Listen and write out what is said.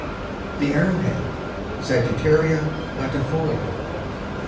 THE ARROW HEAD. (_Sagittaria latifolia.